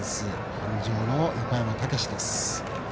鞍上の横山武史です。